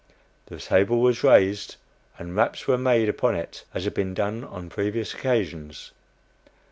The table was raised and raps were made upon it, as had been done on previous occasions.